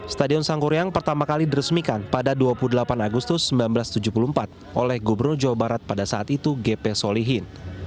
stadion sangkuriang pertama kali diresmikan pada dua puluh delapan agustus seribu sembilan ratus tujuh puluh empat oleh gubernur jawa barat pada saat itu gp solihin